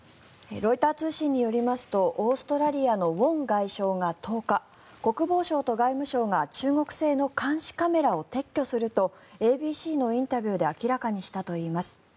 ロイター通信によりますとオーストラリアのウォン外相が１０日国防省と外務省が中国製の監視カメラを撤去するとＡＢＣのインタビューで明らかにしたといいます。